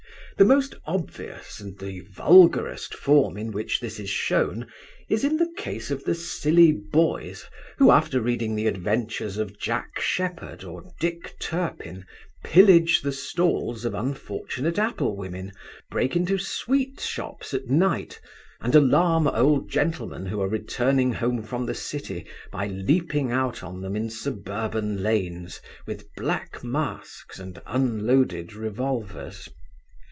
The most obvious and the vulgarest form in which this is shown is in the case of the silly boys who, after reading the adventures of Jack Sheppard or Dick Turpin, pillage the stalls of unfortunate apple women, break into sweet shops at night, and alarm old gentlemen who are returning home from the city by leaping out on them in suburban lanes, with black masks and unloaded revolvers.